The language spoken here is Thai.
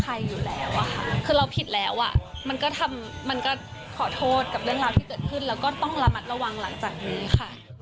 อยู่แล้วอะค่ะคือเราผิดแล้วอ่ะมันก็ทำมันก็ขอโทษกับเรื่องราวที่เกิดขึ้นแล้วก็ต้องระมัดระวังหลังจากนี้ค่ะ